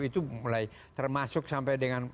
itu mulai termasuk sampai dengan